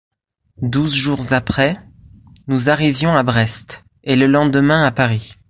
Douze jours après, nous arrivions à Brest, et le lendemain à Paris.